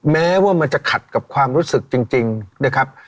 แม้ว่ามันจะขัดกับความรู้สึกจริงนะครับ